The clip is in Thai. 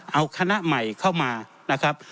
เอาคณะใหม่เข้ามานะครับ